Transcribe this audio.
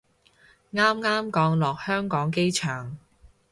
啱啱降落香港機場